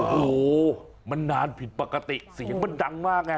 โอ้โหมันนานผิดปกติเสียงมันดังมากไง